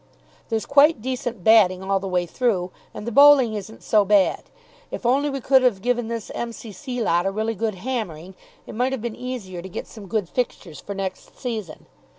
There's quite decent batting all the way through, and the bowling isn't so bad. If only we could have given this M.C.C. lot a really good hammering, it might have been easier to get some good fixtures for next season.